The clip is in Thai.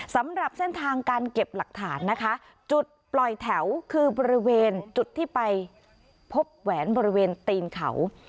สำหรับเส้นทางการเก็บหลักฐานนะคะจุดปล่อยแถวคือบริเวณจุดที่ไปพบแหวนบริเวณตีนเขา